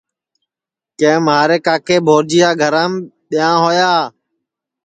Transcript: کہ مہارے کاکے بھورجیا گھرام بیاں ہویا